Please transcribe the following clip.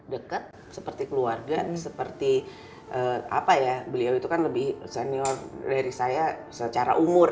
dekat seperti keluarga seperti apa ya beliau itu kan lebih senior dari saya secara umur